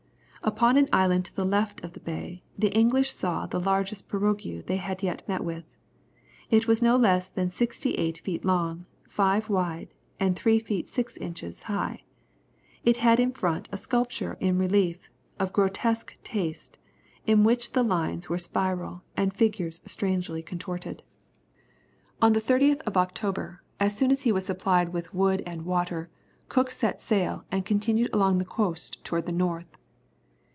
Upon an island to the left of the bay, the English saw the largest pirogue they had yet met with. It was no less than sixty eight feet long, five wide, and three feet six inches high. It had in front a sculpture in relief, of grotesque taste, in which the lines were spiral and the figures strangely contorted. On the 30th of October, as soon as he was supplied with wood and water, Cook set sail and continued along the coast towards the north.